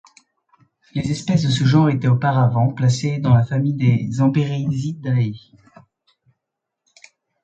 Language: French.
Les espèces de ce genre était auparavant placées dans la famille des Emberizidae.